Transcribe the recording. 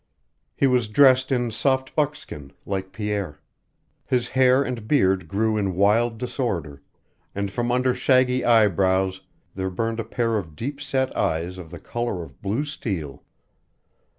He was dressed in soft buckskin, like Pierre. His hair and beard grew in wild disorder, and from under shaggy eyebrows there burned a pair of deep set eyes of the color of blue steel.